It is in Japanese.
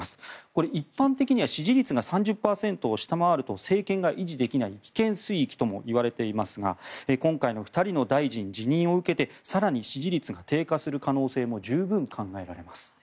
これは一般的には支持率が３０％を下回ると政権が維持できない危険水域ともいわれていますが今回の２人の大臣辞任を受けて更に支持率が低下する可能性も十分考えられます。